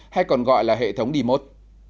hay còn gọi là hệ thống demos